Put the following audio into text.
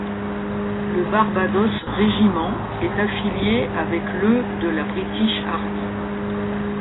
Le Barbados Regiment est affilié avec le de la British Army.